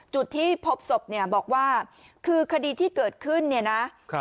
จุดที่พบศพเนี่ยบอกว่าคือคดีที่เกิดขึ้นเนี่ยนะ